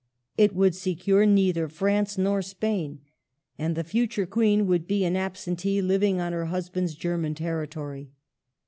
It would secure neither France nor Spain. And the future Queen would be an absentee living on her husband's German territory.